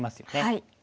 はい。